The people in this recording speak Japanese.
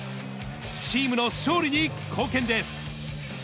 チームの勝利に貢献です。